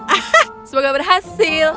ah semoga berhasil